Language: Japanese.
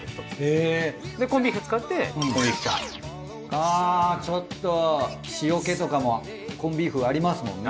ああちょっと塩気とかもコンビーフありますもんね。